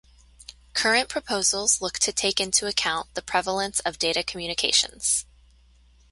Current proposals look to take into account the prevalence of data communications.